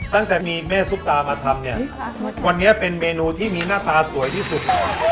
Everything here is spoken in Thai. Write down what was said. ตั้งแต่มีแม่ซุปตามาทำเนี่ยวันนี้เป็นเมนูที่มีหน้าตาสวยที่สุด